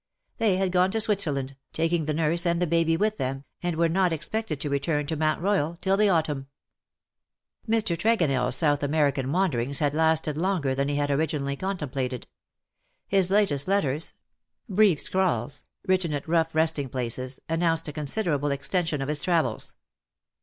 They had gone to Switzerland, taking the nurse and baby with them, and were not expected to return to Mount Boyal till the autumn. Mr. TregonelFs South American wanderings had lasted longer than he had originally contemplated. His latest letters — brief scrawls, written at rough yesting places — announced a considerable extension of his travels.